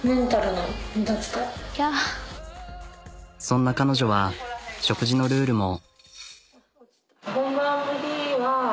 そんな彼女は食事のルールも。